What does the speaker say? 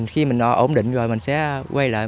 khi mình ổn định rồi mình sẽ quay lại